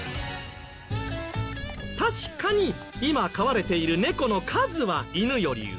確かに今飼われている猫の数は犬より上。